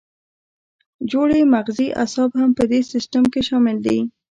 جوړې مغزي اعصاب هم په دې سیستم کې شامل دي.